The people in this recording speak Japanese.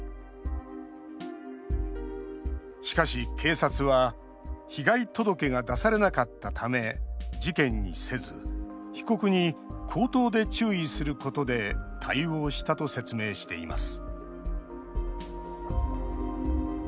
しかし、警察は被害届が出されなかったため事件にせず被告に口頭で注意することで対応したと説明しています。